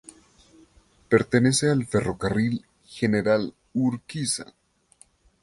Pertenece al Ferrocarril General Urquiza.